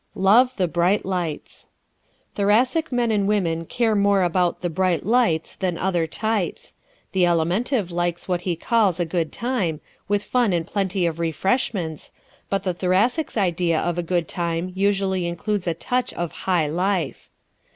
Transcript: Love the "Bright Lights" ¶ Thoracic men and women care more about "the bright lights" than other types. The Alimentive likes what he calls "a good time" with fun and plenty of "refreshments" but the Thoracic's idea of a good time usually includes a touch of "high life."